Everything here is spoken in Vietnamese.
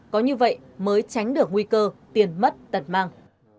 có như vậy mới tránh được nguy cơ tiền mất tật mang